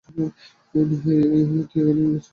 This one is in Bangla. হেই, তুই এখানে কী করছিস?